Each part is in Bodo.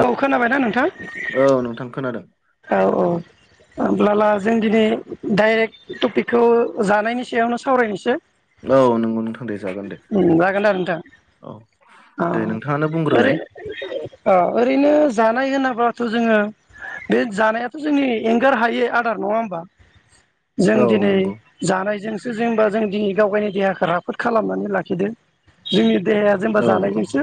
औ खोनाबायना नोंथां? औ नोंथां खोनादों औ औ होमब्ला ला जों दिनै डाइरेक्ट टपिकखौ जानायनि सायावनो सावरायनोसै। औ नंगौ नोंथां दे। जागोन दे उम जागोनदा नोंथां औ अ दे नोंथाङानो बुंग्रोलाय ओरै आ ओरैनो जा जानाय होनाबाथ' जोङो बे जानायाथ' जोंनि एंगार हायै आदार नङा होमबा जों औ दिनै नंगौ जानायजोंसो जेंबा जों दिनि गाव गायनि देरहाखो राफोरद खालामनानै लाखिदो जोंनि देहाया जेनबा औ जानायजोंसो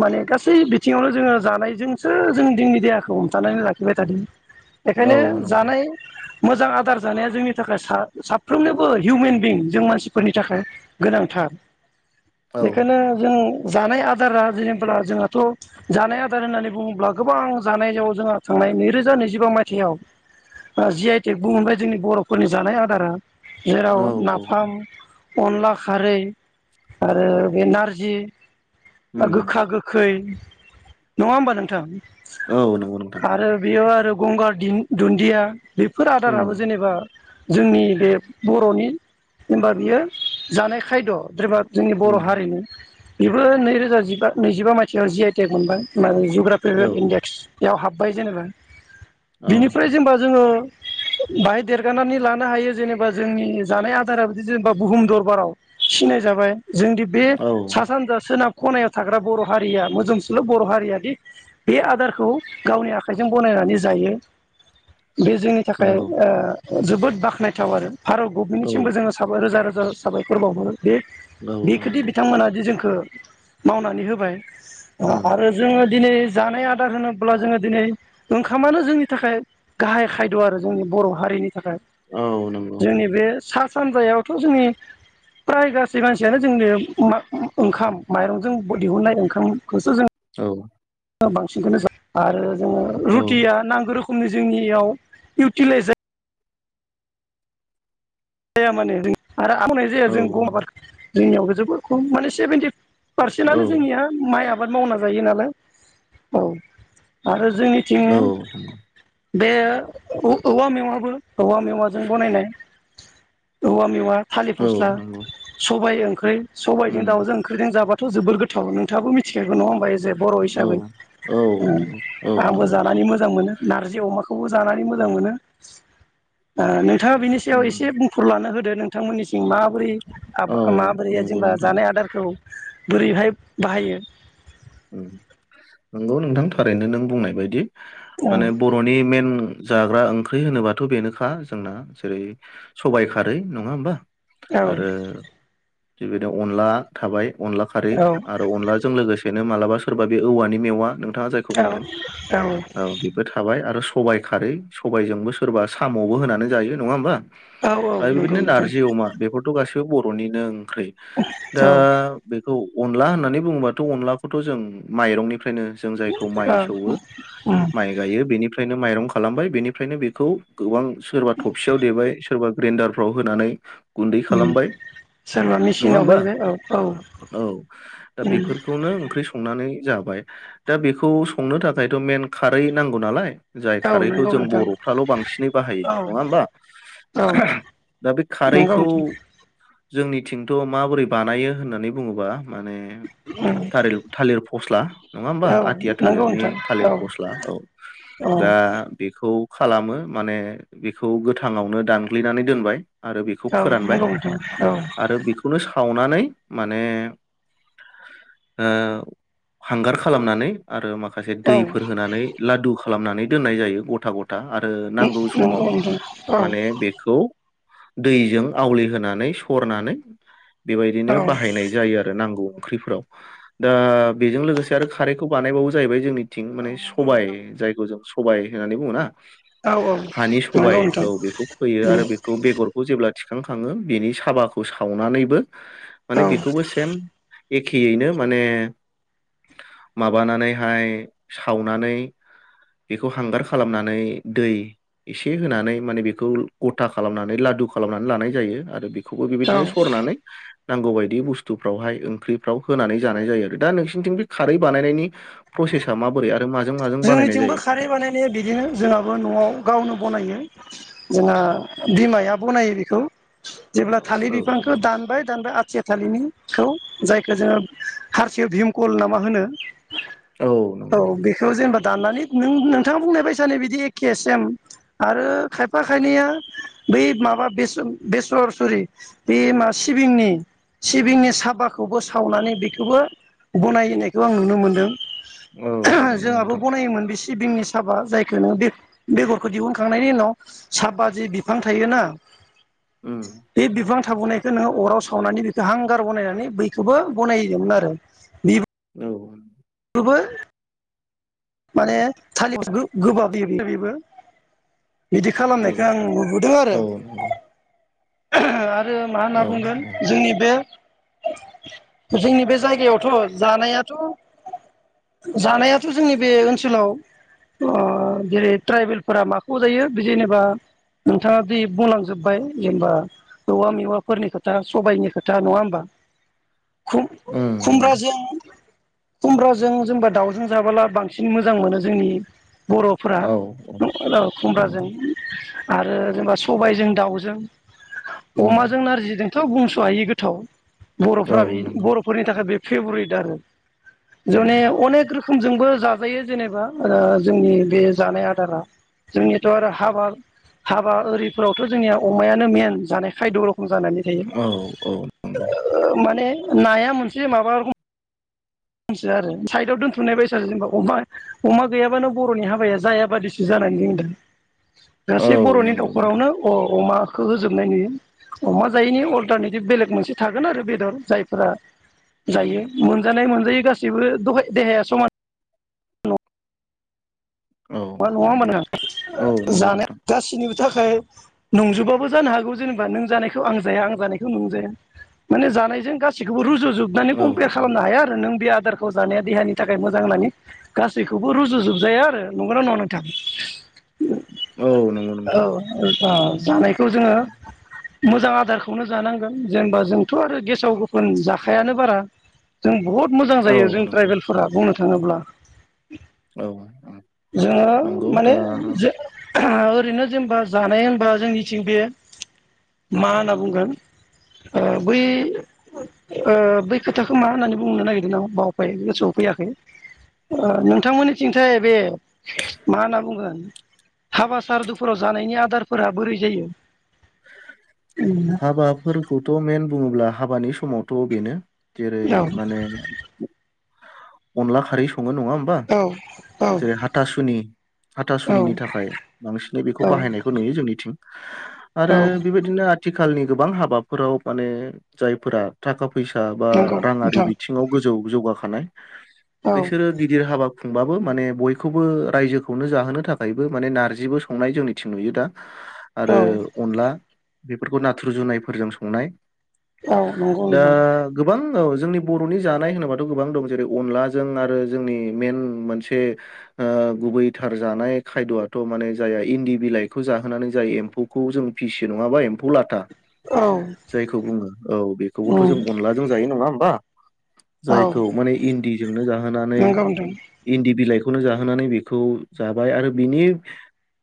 माने गासै बिथिङावनो जोङो जानायजोंसो जों दोंनि देहाखौ हमथानानै लाखिबाय थादों बेखायनो औ नंगौ जानाय मोजां आदार जानाया जोंनि थाखाया सा- साफ्रोमनोबो हिउमेन बिं जों मानसिफोरनि थाखाय गोनांथार औ बेखायनो जों जानाय आदारा जेनेब्ला जोंहाथ' जानाय आदार होननानै बुङोब्ला गोबां जानायाव जोंहा थांनाय नैरोजा नैजिबा मायथाइयाव ओ जि आइ टेक मोनबाय जोंनि बर'फोरनि जानाय आदारा जेराव औ औ नाफाम अनला खारै आरो बे नारजि उम गोखा गोखै नङा होमबा नोंथां औ नंगौ नोंथां आरो बेयो आरो गंगार दिं दुन्दिया बेफोर उम आदाराबो जेनेबा जोंनि बे बर'नि होनबा बियो जानाय खायद' [unintelligible] जोंनि बर' उम हारिनि बेबो नैरोजा जिबा नैजिबा मायथाइयाव जि आइ टेक मोनबाय औ [unintelligible] [unintelligible] इनडेक्स याव हाबबाय जेनेबा औ बिनिफ्राय जेनेबा जोङो बाहाय देरगानानै लानो हायो जेनेबा जोंनि जानाय आदाराबो दि जेनेबा बुहुम दर बाराव सिनाय जाबाय जोंदि बे औ सा-सानजा, सोनाब खनायाव थाग्रा बर' हारिया मोजोमसोल' बर' हारिया दि बे आदारखौ गावनि आखाइजों गनायनानै जायो बे जोंनि थाखाय नंगौ ओ जोबोद बाख्नायथाव आरो भारत औ गभमेननिसिमबो साबाय रोजा रो [unintelligible] साबायखर बावहरो बे औ बेखोदि नंगौ बिथांमोनादि जोंखो मावनानै होबाय अ उम आरो जोङो दिनै जानाय आदार होनोब्ला जोङो दिनै ओंखामानो जोंनि थाखाय गाहाय खायद' आरो जोंनि बर' हारिनि थाखाय औ नंगौ जोंनि बे सा सानजायावथ' जोंनि प्राय गासै मानसियानो जोंनो मा ओंखाम माइरंजों बो दिहुननाय ओंखामखौसो जों औ ओ बांसिनखोनो जों आरो अ औ रुटिया नांगौ रो खोमनि जोंनियाव इउटिलाइस जायो जाया मानो आरो आबाद जायो औ जों गम आबाद जोंनियावबो जोबोर खम माने सेभेेनटि पारसेन्टनो जोंनिया माइ आबाद मावना जायो नालाय। औ आरो जोंनिथिं नंगौ बे औ औवा मेवाबो औवा मेवाजों बनायनाय औवा मेवा थालिर औ फस्ला नंगौ सबायाइ ओं [unintelligible] सबायजों उम दाउजों ओंख्रिजों जाबाथ' जोबोर गोथाव नों थाङाबो मिथिखायो बो नङा होनबा जे बर' औ हिसाबै औ अ नंगौ औ आंबो नंगौ नोंथां जानानै मोजां मोनो नारजि अमाखौबो जानानै मोजां मोनो। अ नोंथाङा बिनि याव उम एसे बुंफुर लानो होदो नोंथांमोननिसिं मा बोरै आ औ माबोरै नंगौ जेनबा नोंथां जानाय आदारखौ बोरैहाय बाहायो नंगौ नोंथां थारैनो नों बुंनाय बायदि। औ माने बर'नि मेन जाग्रा ओंख्रि होनोबाथ बेनोखा जोंना जेरै सबाइ खारै नङा होमबा? औ आरो बेबायदिनो अनला थाबाय अनला खारै औ आरो अनलाजों लोगोसे बेनो मालाबा सोरबा बे औवानि मेवा नों थाङा जायखौ औ बुंदों औ बेबो थाबाय आरो सबाइ खारै सबायजोंबो सोरबा साम'बो होनानै जायो नङा होमबा? औ औ फ्राय नंगौ बिदिनो नोंथां नारजि अमा बेफोरथ' गासि बे बर'निनो ओं। ओंख्रि दा औ बेखौ अनला होननानै बुङोबाथ अनला थ' जों माइरंनिफ्राय नो जों जायखौ औ माइ सौओ उम माइ गायो बेनिफ्रायनो माइरं खालामबाय बेनिफ्रायनो बेखौ गोबां सोरबा थबसेयाव देबाय सोरबा ग्रेडारफ्राव होनानै गुन्दै उम खालामबाय सोरबा नङा मेचिनाव होमबा? हैबाय औ औ औ दा उम बेफोरखौ नो नानै जाबाय दा बेखौ संनो थाखायथ' मेन खारै नांगौ नालाय जाय औ खारैखौ नंगौ जों नोंथां बर'फ्राल' बांसिनै बाहायो औ नङा होमबा? औ दा बे नंगौ खारैखौ नोंथां जोंनिथिंथ' माबोरै बानायो होननानै बुङोबा माने औ थालिर थालिर फस्ला नङा होमबा आथिया नंगौ थालिरनि नोंथां औ थालिर फस्ला औ औ दा बेखौ खालामो माने बेखौ गोथाङावनो दानग्लिनानै दोनबाय। आरो बेखौ औ फोरानबाय नंगौ नोंथां औ आरो बेखौनो सावना नानै माने ओ हांगार खालामनानै आरो माखा माखासे औ दैफोर होनानै लादु खालामनानै दोननाय जायो गथा ग आरो नांगौ नंगौ समाव नोंथां औ माने बेखौ दैजों आवलिहोनानै सरनानै औ बेबायदिनो नंगौ नोंथां औ बाहायनाय जायो आरो नांगौ ओंख्रिफोराव दा बेजों लोगोसे आरो खारैखौ बानायबावो जाहैबाय जोंनि थिं माने सबाय जायखौ जों स सबाय होननानै बुङो ना हानि सबाय नंगौ नोंथां औ बेखौ फैयो आरो बेखौ बेगरखौ जेब्ला थिखांखाङो बेनि साबाखौ सावनानैबो माने औ बिखौबो सेम एखेयैनो माने माबानानैहाय सावनानै बेखौ हांगार खालामनानै दै इसे होनानै माने बेखौ ग'था खालामनानै लादु खालामनानै लानाय जायो आरो बे खौबो औ बेबायदिनो सरनानै नांगौ बायदि बुस्थुफ्रावहाय ओंख्रिफ्राव होनानै जानाय जायो आरो दा नोंसिनिथिं बे खारै बानायनायनि प्रसेसा माबोरै आ जोंनिथिंबो खारै बानायनाया बिदिनो जोंहाबो न'आव गावनो बनायो। जोंना बिमाया बनायो बेखौ। जेब्ला थालिर औ बिफांखौ नंगौ दानबाय दानबाय आथि सालिनिखौ जायखो जोङो हारसिया भिमकल ना मा होनो! औ नंगौ औ बे जेनेबा दाननानै नोंथाङा बुंनाय बायसानो बिदि एखे सेम आरो खायफा खायनैया बै माबा बेसो-बेसर सरि बे मा सिबिंनि सिबिंनि साबाखौबो सावनानै बेखौबो बनायनायखौ आं नुनो मोनदों। औ नंगौ जोंहाबो नोंथां। बनायोमोन बिस सिबिंनि साबा जायखोनो बेगरखौ दिहुनखांनायनि उनाव साबा जे बिफां थायोना उम बे बिफां गनायखो नों अराव सावनानै हांगार बनायनानै बैखोबो बनायोमोन आरो। औ [unintelligible] माने थालिरो गोबाब बेबो बिदि औ खालामनायखौ आं नुबोदों आरो। औ नंगौ [inaudible] आरो मा होनना औ बुंगोन जोंनि बे जोंनि बे जायगायावथ' जानायाथ' जानायाथ' जोंनि बे ओनसोलाव ओ‌ जेरै ट्राइबेलफोरा माखौ जायो बे जेनेबा नोंथाङा बे बुंलांजोबबाय जेनेबा औवा मेवाफोरनि खोथा सबायनि खोथा नङा होमबा? खुद उम नंगौ खुमब्राजों खमब्राजों जोंबा दाउजों जाबोला बांसिन सिन मोजां मोनो जोंनि बर'फोरा औ औ ओ खुमब्राजों नंगौ आरो जेनेबा सबायजों दाउजों उम अमाजों नारजिजों थ' बुंस' हायि गोथाव। औ बर'फ्रा बे नंगौ बर'फोरनि थाखाय बे। फेब्रुइेट आरो ज उम अनेक रख खोमजोंबो जा जायो जेनेबा ओ जोंनि बे जानाय आदारा जोंनियाथ' आरो हाबा हाबा ओरिफोरावथ' जोंनिया अमायानो मेन जानाय खायद' जानानै थायो औ औ नंगौ ओ माने। नाया मोनसे माबा रखम सै आरो साइदआव दोनथुमनाय बायस जेनेबा अमा गैयाबानो बर'नि हाबाया जायााबादिसो जानानै जों दा औ गासै बर'नि नंगौ नोंथां न'खरावनो अ अमा खौ होजोबनाय नुयो अमा जायैनि अल्टारनेटिभ बेलेग मोनसे थागोन आरो बेदर जायफोरा जायो मोनजानाय मोन यो गासैबो दहाय देहाया समान औ मा नङा नंगौ मोनो औ नंगौ जानाया नोंथां गासिनिबो थाखाय नंजुबोबाबो जानो हागौ जेनेबा नों जानायखौ आं जाया आं जानायखौ नों जाया माने जानायजों गासिखौबो रुजु जोबनानै औ कम्पेयार खालामनो हाया आरो नों बे आदारखौ जानाया देहानि थाखाय मोजां होननानै गासैखौबो रुजुजोबजाया आरो। नंगौ ना नङा नोंथां औ नंगौ नोंथां अ जानाय खौ जोङो मोजां आदारखौनो जानांगोन जेनेबा जोंथ आरो गेसाव गोफोन जाखायानो बारा जों बुहुद मोजां औ जायो जों नंगौ राइबेलफोरा बुंनो थाङोबा थाङोब्ला औ औ जोङो माने जो ओरैनो जेनेबा जानाय होनबा जोंनिथिं बे मा होनना बुंगोन ओ बै बै खोथाखौ मा होननानै बुंनो नागिरदों आं बावबाय गोसोआव फैयाखै नोंथांमोननिथिंथाय बे मा होनना बुंगोन, हाबा सारादुफोराव जानायनि आदारफोरा बोरै जायो? हाबाफोरखौथ' मेइन बुङोब्ला हाबानि समावथ' बेनो। जेरै औ माने अनला खारि स सङो नङा होमबा? औ जेरै हाथासुनि औ हाथासुनिनि थाखाय बांसिनै बेखौ औ बाहायनायखौ नुयो जोंनिथिं। [unintelligible] आरो औ बेबायदिनो आ आथिखालनि गोबां हाबाफोराव माने जायफोरा थाखा फै फैसा बा नंगौ राङारि नोंथां बिथिङाव गोजौ जौगाखानाय औ बिसोरो गिदिर हाबा खुंबाबो माने बयखौबो रायजोखौनो जाहोनो थाखायबो माने नारजिबो संनाय जोंनिथिं नुयो दा। औ आरो अनला बेफोरखौ नाथुर जुनायफोरजों संनाय औ नंगौ दा नोंथां गोबां औ जोंनि बर'नि जानाय होनोबाथ' गोबां दं जेरै अनलाजों आरो जोंनि मेइन मोनसे ओ गुबैथार जानाय खायद'आथ' माने जाया इन्दि बिलाइखौ जाहोनानै जाय एम्फौ खौ जों फिसि नङाबा एम्फौ लाथा औ जायखौ बुङो औ बेखौबोथ' जों अनलाजों जायो नङा होमबा? औ जायखौ माने इन्दिजोंनो जाहोनानै नंगौ इन्दि बिलाइ बेखौनो जाहोनानै बेखौ जाबाय आरो बिनि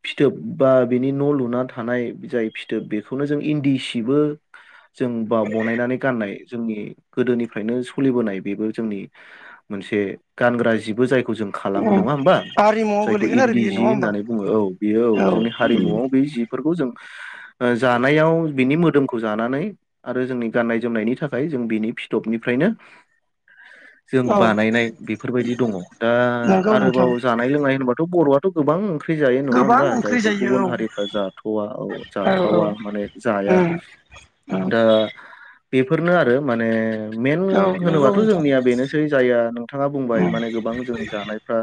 फिथोब बा बिनि न' लुना थानाय जाय फिथोब बेखौनो जों इन्दि सिबो जों बा बनायनानै गाननाय जोंनि गोदोनिफ्रायनो सलिबोनाय बेबो जोंनि मोनसे गानग्रा जिबो जाय खौ जों खालामो नोंथां नङा होमबा आरिमुआव जायखौ गोलैगोन आरो इन्दि बियो नङा जि होमबा होननानै बुङो औ बेयो औ जोंनि उम हारिमुआव बे जि जों ओ जानायाव बिनि मोदोमखौ खौ जानानै आरो जोंनि गाननाय जोमनायनि थाखाय जों बिनि फिथबनिफ्रायनो जों औ बानायनाय बेफोरबायदि दङ दा नंगौ नोंथां आरोबाव जानाय लोंनाय होनबाथ' बर'आ थ गोबां ख्रि जायो नङा गोबां होमबा ओंख्रि जायखौ जायो गुबुन हारिफ्रा जा जाथवा औ जाथावा माने जाया उम उम दा बेफोरनो आरो माने मेन औ नंगौ होनोबाथ नोंथां जोंनिया बेनोसै जाया नोंथाङा बुंबाय उम माने गोबां जोंनि जानायफ्रा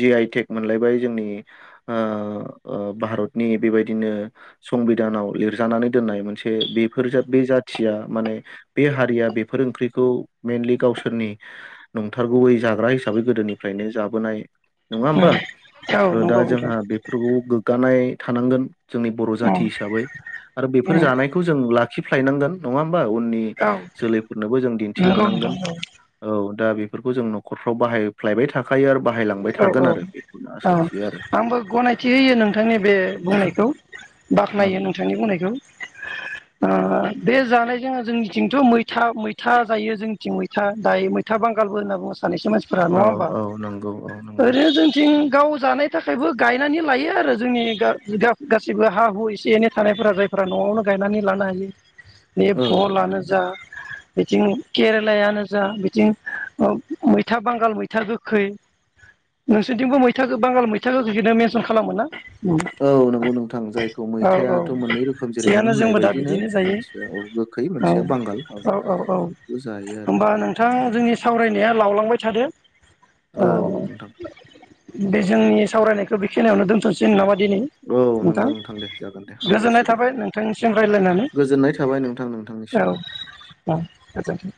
जि आइ टेक मोनलायबाय जोंनि अ अ भारतनि बेबायदि नो संबिधानाव लिरजानानै दोननाय मोनसे बेफोर जोब बे जाथिया माने बे हारिया बेफोर ओंख्रिखौ मेइनलि गावसोरनि नंथारगयै जाग्रा हिसाबै गोदोनिफ्रायनो जाबोनाय। नङा होमबा उम औ दा नंगौ नोंथां जोंहा बेफोरखौ गोग्गानाय थानांगोन। जोंनि बर' उम जाथि हिसाबै आरो बेफोर उम जानायखौ जों ला खिफ्लायनांगोन नङा होनबा उननि औ जोलैफोरनोबो जों नंगौ नोंथां दिन्थिलांनांगोन। दा बेफोरखौ जों न'खरफ्राव बाहायफ्लायबाय था औ औ औ थियो आरो आंबो गनायथि होयो नोंथांनि बे बुंनायखौ। बाख्नायो उम नोंथांनि बुंनाय ओ बे जानायजों जोंनिथिंथ मैथा मैथा जायो जोंनिथिं मैथा दायो मैथा बांगालबो होनना बुङो। सानैसो मानसिफोरा नङा औ होमबा। औ नंगौ औ नंगौ ओरैनो जोंनिथिं गाव जानाय थाखायबो गायनानै लायो आरो जोंनि गा गासिबो हा हु एसे एनै थानायफोरा जायफ्रा न'आवनो गायनानै लानो हायो। बे औ फलानो जा बिथिं केरेलायानो जा बिथिं ओ मैथा बांगाल मैथा गोखै नोंसोरथिंबो मैथाखौ बांगाल मैथा गोखैनो मेनसन खालामोन ना? औ नंगौ नोंथां जायखौ औ औ मैथायाथ मोननै रोखोम जेरै नों थिगानो होननाय जोंबो दा बायदिनो बिदिनो जायो मोनसेया गोखै औ मोनसेया बांगाल औ औ औ बेखौबो जायो आरो। होमबा नोंथां जोंनि सावरायनाया लावलांबाय थादो औ नोंथां। बे जोंनि सावरायनायखौ बेखिनियावनो दोनथ'सै नामा? दिनै औ नोंथां नंगौ दे जागोन दे गोजोननाय हामबायसै दे थाबाय नोंथांनिसिम रायज्लायनानै औ गोजोननाय थाबाय नोंथां औ नोंथांनिसिमबो। गोजोनथों।